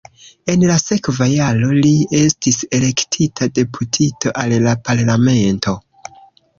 En la sekva jaro li estis elektita deputito al la parlamento.